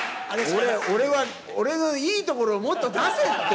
俺のいいところをもっと出せって。